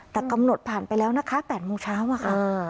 แต่กำหนดผ่านไปแล้วนะคะ๘โมงเช้าอะค่ะ